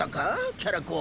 キャラ公。